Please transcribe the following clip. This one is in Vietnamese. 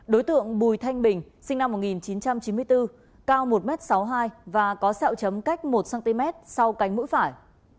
đối tượng bùi thanh bình sinh năm một nghìn chín trăm chín mươi bốn cao một m sáu mươi hai và có sẹo chấm cách một cm sau cánh mũi phải